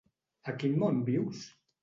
A quin món vius?